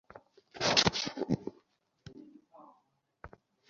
পরে তিনি জামিনে মুক্তি পেলে লালদীঘি ময়দানে তাঁকে সংবর্ধনা দেওয়া হয়।